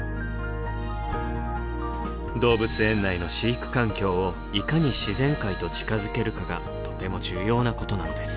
動物園内の飼育環境をいかに自然界と近づけるかがとても重要なことなのです。